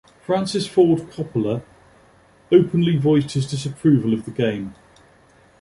Francis Ford Coppola openly voiced his disapproval of the game.